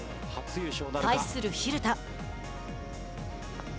対する蛭田。